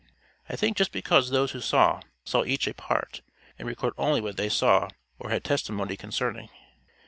I think just because those who saw, saw each a part, and record only what they saw or had testimony concerning.